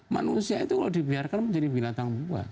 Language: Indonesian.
manusia itu kalau dibiarkan menjadi binatang buat